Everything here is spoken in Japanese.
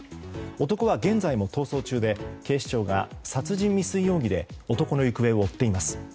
男は現在も逃走中で警視庁が殺人未遂容疑で男の行方を追っています。